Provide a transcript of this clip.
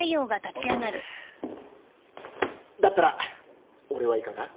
だったら俺はいかが？